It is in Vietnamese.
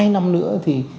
hai năm nữa thì